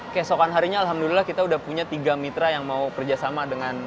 keesokan harinya alhamdulillah kita udah punya tiga mitra yang mau kerjasama dengan